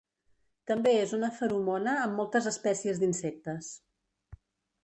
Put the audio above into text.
També és una feromona en moltes espècies d'insectes.